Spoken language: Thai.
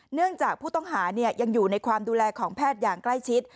เนื่องจากผู้ต้องหายังอยู่ในความดูแลของแพทย์อย่างใกล้ชิด